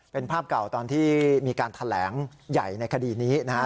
เป็นภาพเก่าตอนที่มีการแถลงใหญ่ในคดีนี้นะฮะ